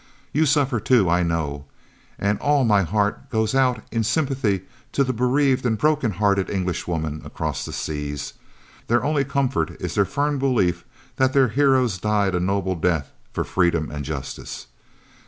You suffer too, I know, and all my heart goes out in sympathy to the bereaved and broken hearted Englishwomen across the seas. Their only comfort is their firm belief that their heroes died a noble death for freedom and justice.